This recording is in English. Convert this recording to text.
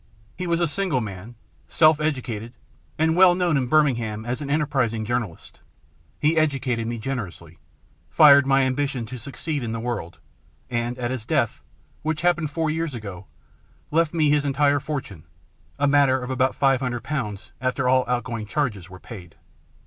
He was a single man, self educated, and well known in Birmingham as an enterprising journalist; he educated me generously, fired my ambition to succeed in the world, and at his death, which happened four years ago, left me his entire fortune, a matter of about five hundred pounds after all outgoing charges were paid.